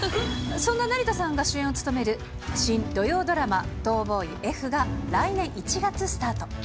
そんな成田さんが主演を務める新土曜ドラマ、逃亡医Ｆが来年１月スタート。